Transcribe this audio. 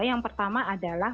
yang pertama adalah